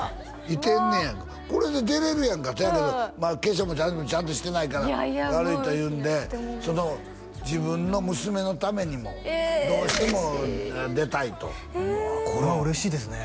いてんねやこれで出れるやんかせやけど化粧も何もちゃんとしてないから悪いというんでその自分の娘のためにもどうしても出たいとうわこれは嬉しいですね